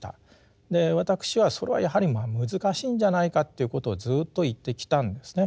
私はそれはやはりまあ難しいんじゃないかということをずっと言ってきたんですね。